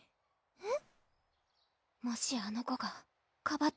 えっ！